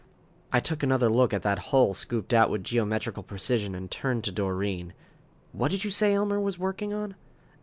I took another look at that hole scooped out with geometrical precision, and turned to Doreen. "What did you say Elmer was working on?"